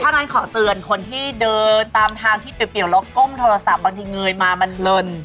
ถ้างั้นขอเตือนคนที่เดินตามทางที่เปรียวแล้วก้มโทรศัพท์บางทีเงยมามันเลิน